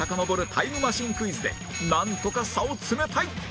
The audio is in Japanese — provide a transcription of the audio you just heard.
タイムマシンクイズでなんとか差を詰めたい！